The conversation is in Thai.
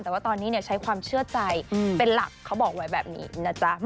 แต่ว่าตอนนี้ใช้ความเชื่อใจเป็นหลักเขาบอกไว้แบบนี้นะจ๊ะ